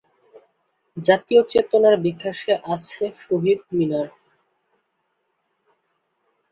জাতীয় চেতনার বিকাশে আছে শহীদ মিনার।